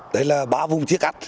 đấy là ba vùng chiếc ắt